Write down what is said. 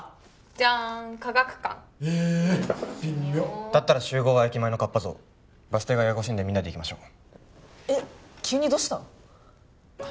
じゃーん科学館え微妙だったら集合は駅前のカッパ像バス停がややこしいんでみんなで行きましょうえっ急にどうした？